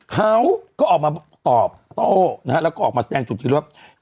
เขาก็ออกมาตอบโต้นะฮะแล้วก็ออกมาแสดงจุดยืนว่า